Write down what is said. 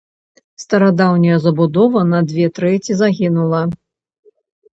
Старадаўняя забудова на дзве трэці загінула.